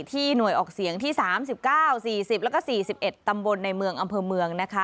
ที่หน่วยออกเสียงที่๓๙๔๐และ๔๑ตำบลในเมืองอำเภอเมือง